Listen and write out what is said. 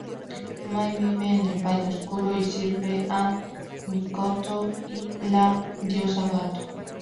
Mai vive en el Valle Oscuro y sirve a Mikoto, la diosa gato.